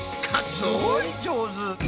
すごい上手。